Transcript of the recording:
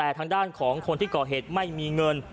แต่ทางด้านของคนที่ก่อเหตุไม่มีเงิน